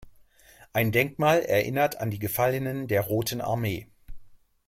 Ein Denkmal erinnert an die Gefallenen der Roten Armee.